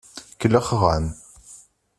Kellxeɣ-am.